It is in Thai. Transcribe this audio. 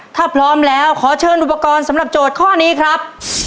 ถ้าพร้อมแล้วขอเชิญอุปกรณ์สำหรับโจทย์ข้อนี้ครับ